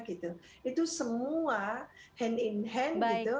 itu semua hand in hand gitu